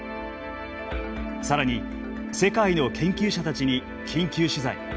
さらに世界の研究者たちに緊急取材。